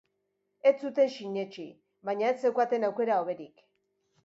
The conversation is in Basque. Ez zuten sinetsi, baina ez zeukaten aukera hoberik.